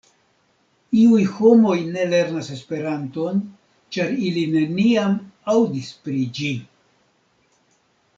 Iuj homoj ne lernas Esperanton, ĉar ili neniam aŭdis pri ĝi.